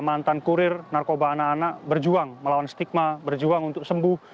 mantan kurir narkoba anak anak berjuang melawan stigma berjuang untuk sembuh